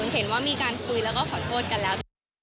เห็นว่ามีการคุยแล้วก็ขอโทษกันแล้ว